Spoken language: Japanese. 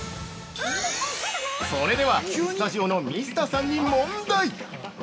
それでは、スタジオの水田さんに問題